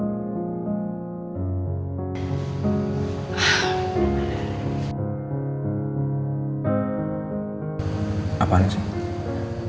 ya ampun so sweet banget sih